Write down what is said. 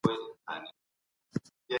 ایا د خلګو ترمنځ ديني تعصب شتون لري؟